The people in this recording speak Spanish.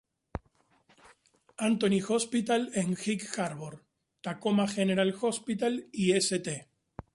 Anthony Hospital en Gig Harbor, Tacoma General Hospital y St.